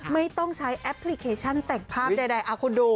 ไม่ต้องใช้แอปพลิเคชันแต่งภาพใดคุณดู